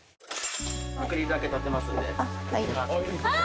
アクリルだけ立てますんで。